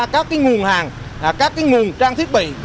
các nguồn hàng các nguồn trang thiết bị